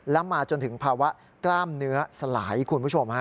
แล้วมาจนถึงภาวะกล้ามเนื้อสลายคุณผู้ชมฮะ